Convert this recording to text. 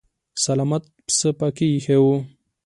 سلامت پسه پکې ايښی و.